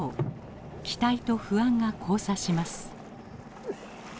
期待と不安が交差します。